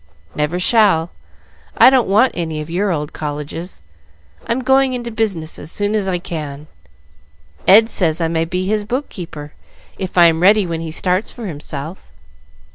"Never shall; I don't want any of your old colleges. I'm going into business as soon as I can. Ed says I may be his book keeper, if I am ready when he starts for himself.